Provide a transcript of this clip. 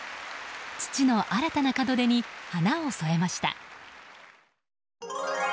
父の新たな門出に花を添えました。